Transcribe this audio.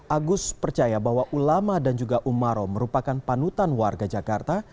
agus percaya bahwa ulama dan juga umaro merupakan panutan warga jakarta